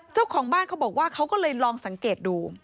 เจ้าของบ้านเขาบอกว่าเขาก็เลยลองสังเกตดู